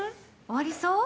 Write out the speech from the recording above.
終わりそう？